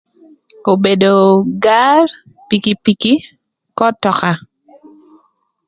Obedo gar, pikipiki, k'ötöka.